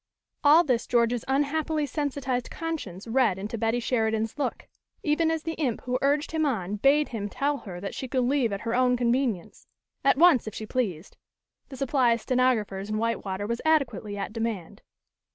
All this George's unhappily sensitized conscience read into Betty Sheridan's look, even as the imp who urged him on bade him tell her that she could leave at her own convenience; at once, if she pleased; the supply of stenographers in Whitewater was adequately at demand.